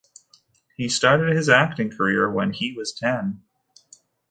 He started his acting career when he was ten.